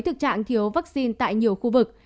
thực trạng thiếu vaccine tại nhiều khu vực